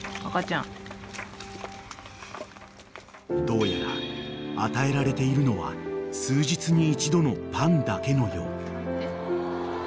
［どうやら与えられているのは数日に一度のパンだけのよう］